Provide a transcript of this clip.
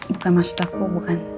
bukan maksud aku bukan